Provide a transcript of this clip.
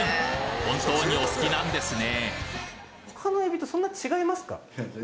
本当にお好きなんですね